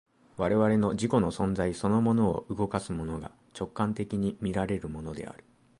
我々の自己の存在そのものを動かすものが、直観的に見られるものである。